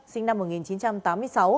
sinh năm một nghìn chín trăm tám mươi sáu